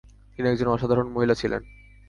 তিনি একজন অসাধারণ মহিলা ছিলেন।